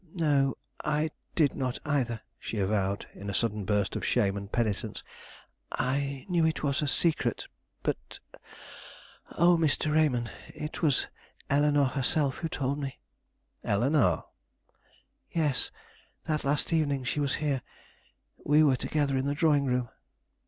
No, I did not, either," she avowed, in a sudden burst of shame and penitence. "I knew it was a secret; but oh, Mr. Raymond, it was Eleanore herself who told me." "Eleanore?" "Yes, that last evening she was here; we were together in the drawing room."